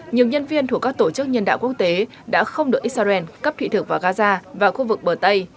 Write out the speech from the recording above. nhiều nhân viên thuộc các tổ chức nhân đạo quốc tế đã không được israel cấp thị thực vào gaza và khu vực bờ tây